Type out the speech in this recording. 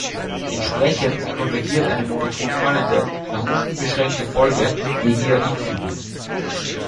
Entsprechend konvergiert eine monoton fallende, nach unten beschränkte Folge gegen ihr Infimum.